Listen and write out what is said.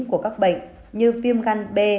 của các bệnh như viêm gan b